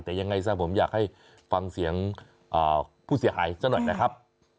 แต่ยังไงซะผมอยากให้ฟังเสียงผู้เสียหายซะหน่อยนะครับ